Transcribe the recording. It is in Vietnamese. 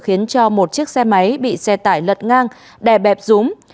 khiến cho một chiếc xe máy bị xe tải lật ngang đè bẹp rúm